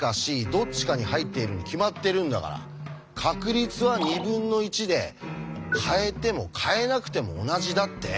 どっちかに入っているに決まってるんだから確率は２分の１で変えても変えなくても同じだって？